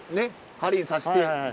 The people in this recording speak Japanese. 針に刺して。